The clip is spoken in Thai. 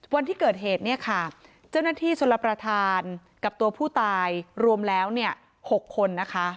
วันที่เกิดเหตุเจ้าหน้าที่ชนประทานกับตัวผู้ตายรวมแล้ว๖คน